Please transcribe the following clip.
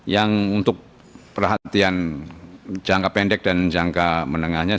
yang untuk perhatian jangka pendek dan jangka menengahnya